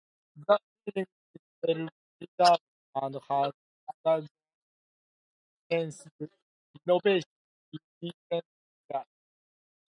The building is well preserved and has undergone extensive renovation in recent years.